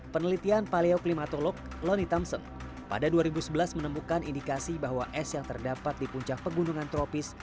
penelitian paleoklimatolog loni thompson pada dua ribu sebelas menemukan indikasi bahwa es yang terdapat di puncak pegunungan tropis